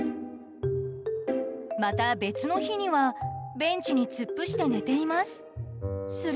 また別の日にはベンチに突っ伏して寝ています。